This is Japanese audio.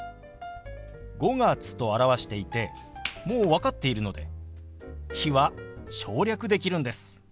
「５月」と表していてもう分かっているので「日」は省略できるんです。